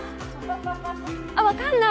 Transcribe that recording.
あっ、分かんない！